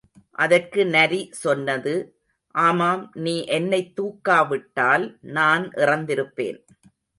அதற்கு நரி சொன்னது, ஆமாம் நீ என்னைத் தூக்காவிட்டால் நான் இறந்திருப்பேன்.